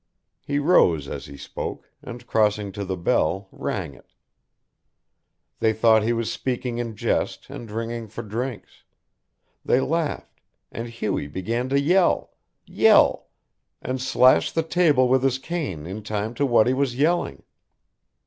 He rose as he spoke, and crossing to the bell rang it. They thought he was speaking in jest and ringing for drinks; they laughed, and Hughie began to yell, yell, and slash the table with his cane in time to what he was yelling.